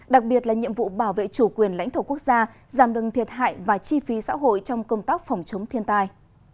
đặc biệt là nhiệm vụ bảo vệ chủ quyền lãnh thổ quốc gia giảm đừng thiệt hại và chi phí xã hội trong công tác phòng chống thiên tai